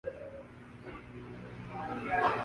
اپنا شوق کوپورا کرنا کا لئے یِہ تالاب میں آنا ہونا